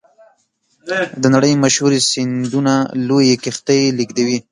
د نړۍ مشهورې سیندونه لویې کښتۍ لیږدوي.